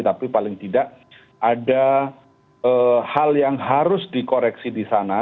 tapi paling tidak ada hal yang harus dikoreksi disana